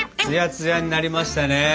つやつやになりましたね。